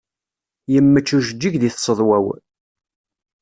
Yemmečč ujeǧǧig di tseḍwa-w.